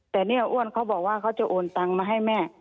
แต่เนี่ยอ้วนเขาบอกว่าเขาจะโอนตังมาให้แม่